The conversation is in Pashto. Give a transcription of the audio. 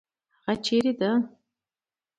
هغه چیرې ده؟